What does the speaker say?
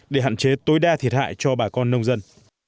để hạn chế tối đa thiệt hại cho bà con nông dân